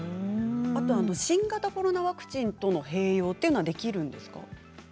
新型コロナワクチンとの併用はできるんですか？